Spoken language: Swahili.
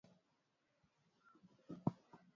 elimu ya mtoto wake pia ni jambo muhimu sana